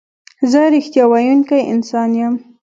زه رښتیا ویونکی انسان یم.